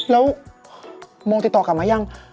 แล้วโมติดต่อกลับมายัง